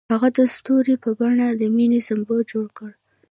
هغه د ستوري په بڼه د مینې سمبول جوړ کړ.